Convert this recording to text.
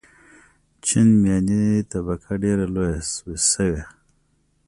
چین میاني طبقه ډېره لویه شوې.